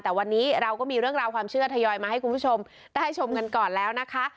แต่วันนี้เราก็มีเรื่องราวความเชื่อทยอยมาให้คุณผู้ชมได้ชมกันก่อนแล้วนะคะ